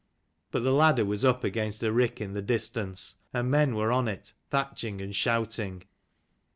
But the ladder was up against a rick in the distance, and men were on it, thatching and shouting.